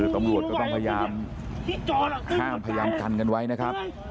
ตำรวจก็ต้องพยายามห้ามพยายามกันกันไว้นะครับ